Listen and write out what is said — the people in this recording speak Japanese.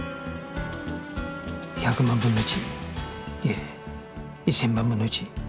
１００万分の１いえ１０００万分の１。